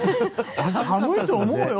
寒いと思うよ。